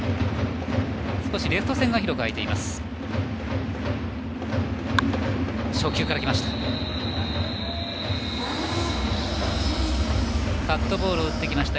少しレフト線は広く開いています。